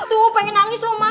tuh pengen nangis loh mas